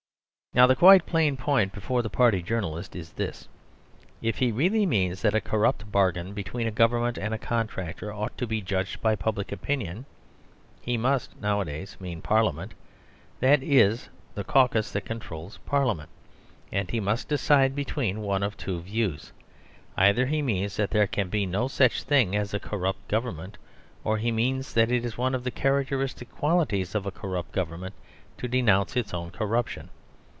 Now the quite plain point before the party journalist is this: If he really means that a corrupt bargain between a Government and a contractor ought to be judged by public opinion, he must (nowadays) mean Parliament; that is, the caucus that controls Parliament. And he must decide between one of two views. Either he means that there can be no such thing as a corrupt Government. Or he means that it is one of the characteristic qualities of a corrupt Government to denounce its own corruption.